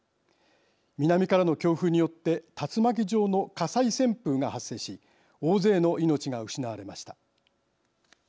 南からの強風によって竜巻状の火災旋風が発生し大勢の命が失われました。